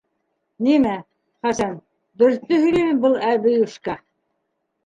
Нимә, Хәсән, дөрөҫтө һөйләйме был әбейүшкә?